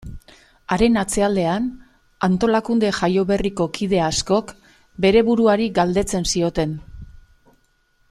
Haren atzealdean, antolakunde jaioberriko kide askok bere buruari galdetzen zioten.